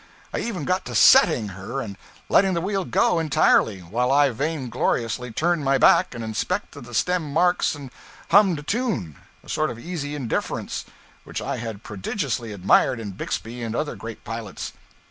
I even got to 'setting' her and letting the wheel go, entirely, while I vaingloriously turned my back and inspected the stem marks and hummed a tune, a sort of easy indifference which I had prodigiously admired in Bixby and other great pilots.